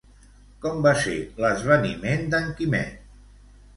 Com va ser l'esvaniment d'en Quimet?